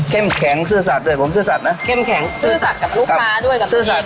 เข้มแข็งเสื้อสัตว์ด้วยผมเสื้อสัตว์นะเข้มแข็งเสื้อสัตว์กับลูกค้าด้วย